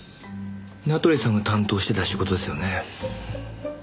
名取さんが担当してた仕事ですよね。